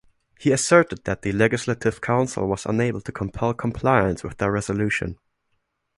He asserted that the Legislative Council was unable to compel compliance with their resolution.